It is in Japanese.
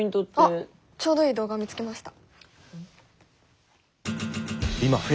あっちょうどいい動画を見つけました。